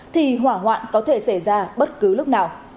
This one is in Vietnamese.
thì hỏa hoạn có thể xảy ra bất cứ lúc nào